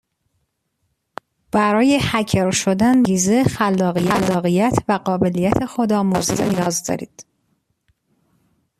برای هکر شدن به انگیزه خلاقیت و قابلیت خود آموزی نیاز دارید.